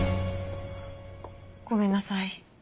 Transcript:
ごめんなさい。